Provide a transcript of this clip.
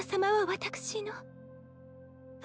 私の。